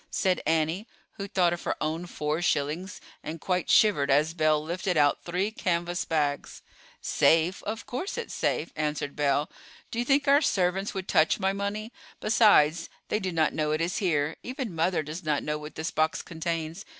said Annie, who thought of her own four shillings, and quite shivered as Belle lifted out three canvas bags. "Safe. Of course it's safe," answered Belle. "Do you think our servants would touch my money? Besides, they do not know it is here; even mother does not know what this box contains.